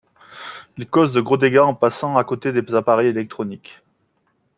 Il cause de gros dégâts en passant à côté des appareils électroniques.